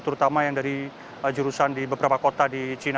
terutama yang dari jurusan di beberapa kota di cina